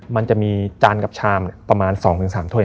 มันจะมีจานกับชามประมาณ๒๓ถ้วย